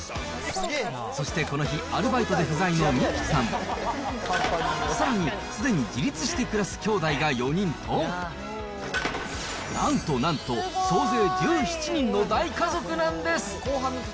そしてこの日、アルバイトで不在の美季さん、さらに、すでに自立しているきょうだいが４人と、なんとなんと、総勢１７人の大家族なんです。